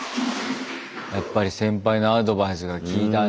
やっぱり先輩のアドバイスがきいたね。